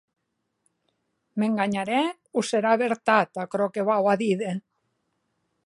M’enganharè o serà vertat aquerò que vau a díder?